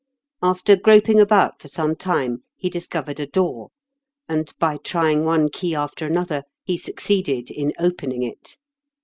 After groping about for some time he dis covered a door, and, by trying one key after another, he succeeded in opening it.